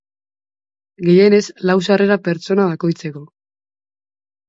Gehienez, lau sarrera pertsona bakoitzeko.